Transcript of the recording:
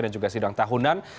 dan juga sidang tahunan